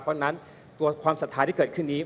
เพราะฉะนั้นตัวความศรัทธาที่เกิดขึ้นนี้